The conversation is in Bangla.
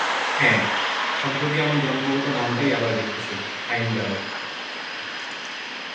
হ্যাঁ, সম্প্রতি আমার জন্মগত নামটাই আবার রেখেছি, হাইমডাল!